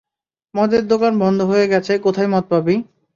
মদের দোকান বন্ধ হয়ে গেছে, কোথায় মদ পাবি?